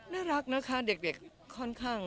น่ารักนะคะเด็กค่อนข้าง